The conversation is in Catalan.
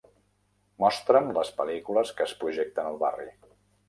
Mostra'm les pel·lícules que es projecten al barri